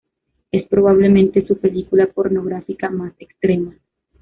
Es, probablemente, su película pornográfica más extrema.